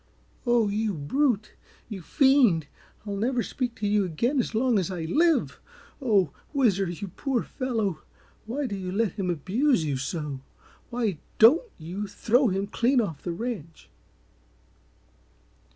"Oh, you brute! You fiend! I'll never speak to you again as long as I live! Oh, Whizzer, you poor fellow, why do you let him abuse you so? Why DON'T you throw him clean off the ranch?"